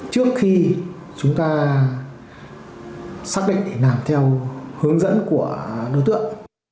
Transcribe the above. trước khi chúng ta xác định để làm theo hướng dẫn của đối tượng